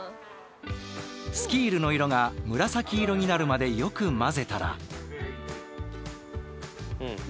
スキールの色が紫色になるまでよく混ぜたら。